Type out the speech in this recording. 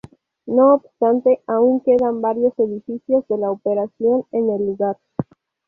No obstante, aún quedan varios edificios de la operación en el lugar.